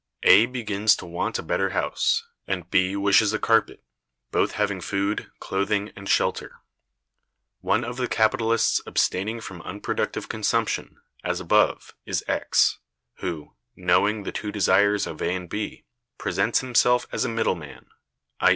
A begins to want a better house, and B wishes a carpet, both having food, clothing, and shelter. One of the capitalists abstaining from unproductive consumption, as above, is X, who, knowing the two desires of A and B, presents himself as a middle man (i.